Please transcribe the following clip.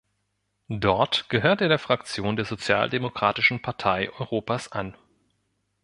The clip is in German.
Dort gehört er der Fraktion der Sozialdemokratischen Partei Europas an.